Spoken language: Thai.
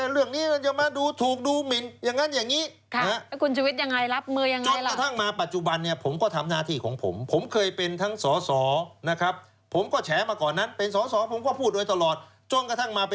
เรื่องนี้มันจะมาดูถูกดูหมินอย่างนั้นอย่างนี้